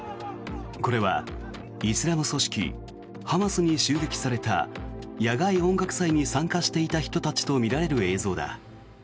これはイスラム組織ハマスに襲撃された野外音楽祭に参加していた人たちとみられる映像だ。